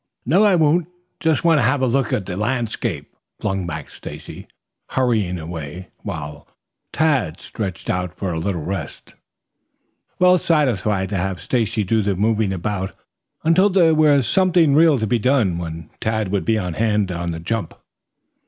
"No, I won't. Just want to have a look at the landscape," flung back Stacy, hurrying away, while Tad stretched out for a little rest, well satisfied to have Stacy do the moving about until there was something real to be done, when Tad would be on hand on the jump.